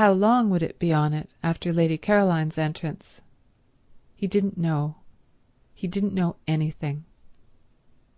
How long would it be on it after Lady Caroline's entrance? He didn't know; he didn't know anything.